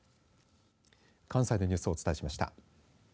関西のニュースをお伝えしました。